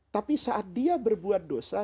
tapi saat dia berbuat dosa